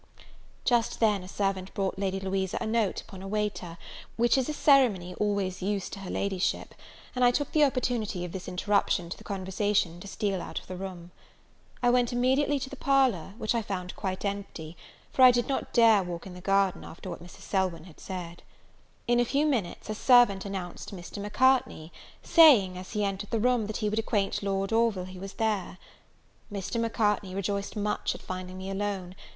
Just then a servant brought Lady Louisa a note upon a waiter, which is a ceremony always used to her Ladyship; and I took the opportunity of this interruption to the conversation to steal out of the room. I went immediately to the parlour, which I found quite empty; for I did not dare walk in the garden, after what Mrs. Selwyn had said. In a few minutes a servant announced Mr. Macartney; saying, as he entered the room, that he would acquaint Lord Orville he was there. Mr. Macartney rejoiced much at finding me alone.